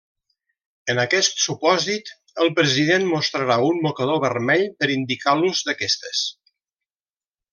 En aquest supòsit, el president mostrarà un mocador vermell per indicar l'ús d'aquestes.